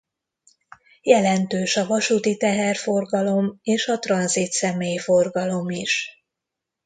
Jelentős a vasúti teherforgalom és a tranzit személyforgalom is.